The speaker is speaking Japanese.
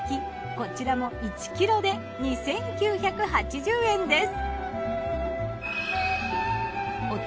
こちらも１ｋｇで２，９８０円です。